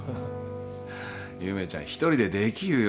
夢ちゃん１人でできるよ。